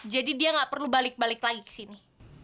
jadi dia nggak perlu balik balik lagi kesini